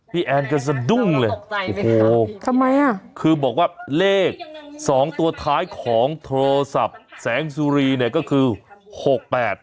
แอนก็สะดุ้งเลยโอ้โหทำไมอ่ะคือบอกว่าเลขสองตัวท้ายของโทรศัพท์แสงสุรีเนี่ยก็คือหกแปด